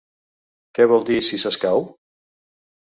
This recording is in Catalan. Què vol dir “si s’escau”?